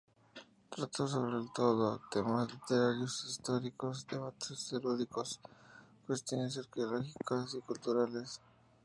Trató sobre todo temas literarios, históricos, debates eruditos, cuestiones arqueológicas y culturales.